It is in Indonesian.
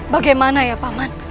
bagaimana ya paman